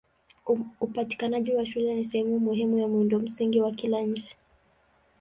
Upatikanaji wa shule ni sehemu muhimu ya miundombinu wa kila nchi.